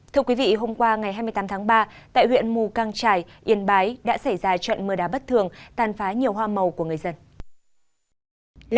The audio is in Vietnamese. thưa quý vị hôm qua ngày hai mươi tám tháng ba tại huyện mù căng trải yên bái đã xảy ra trận mưa đá bất thường tàn phá nhiều hoa màu của người dân